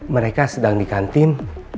mereka sedang di kantin